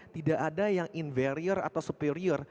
tidak ada yang inferior atau superior